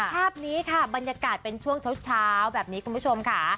ภาพนี้ค่ะบรรยากาศเป็นช่วงเช้าแบบนี้คุณผู้ชมค่ะ